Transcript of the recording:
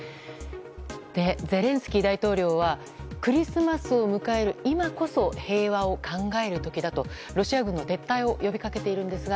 ゼレンスキー大統領はクリスマスを迎える今こそ平和を考える時だとロシア軍の撤退を呼びかけているんですが